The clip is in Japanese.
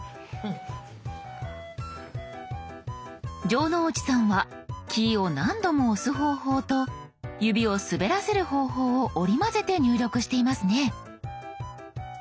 城之内さんはキーを何度も押す方法と指を滑らせる方法を織り交ぜて入力していますね。